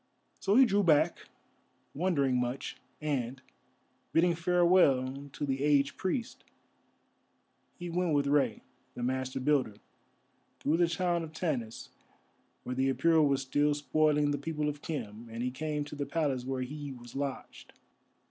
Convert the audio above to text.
So he drew back, wondering much; and, bidding farewell to the aged priest, he went with Rei, the Master Builder, through the town of Tanis, where the Apura were still spoiling the people of Khem, and he came to the Palace where he was lodged.